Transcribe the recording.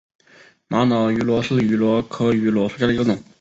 玛瑙芋螺为芋螺科芋螺属下的一个种。